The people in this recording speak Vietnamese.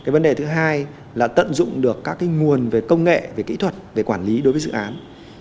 vấn đề thứ hai là tận dụng được các nguồn công nghệ kỹ thuật quản lý đối với dự án